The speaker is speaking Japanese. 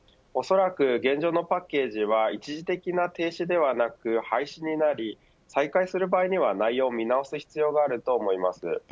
おそらく、現状のパッケージは一時的な停止ではなく廃止になり再開する場合には内容を見直す必要があると思います。